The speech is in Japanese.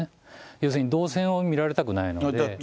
要するに動線を見られたくないので。